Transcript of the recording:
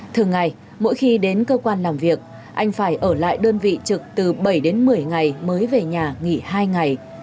thường ngày mỗi khi đến cơ quan làm việc anh phải ở lại đơn vị trực từ bảy đến một mươi ngày mới về nhà nghỉ hai ngày